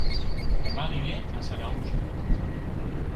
Dema aniré a Sanaüja